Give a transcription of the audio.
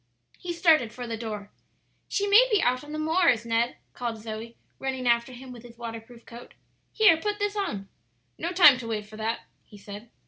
He started for the door. "She may be out on the moors, Ned," called Zoe, running after him with his waterproof coat. "Here, put this on." "No time to wait for that," he said.